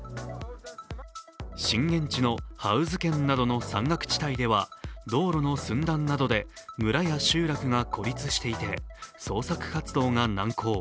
震源地のハウズ県などの山岳地帯では、道路の寸断などで、村や集落が孤立していて捜索活動が難航。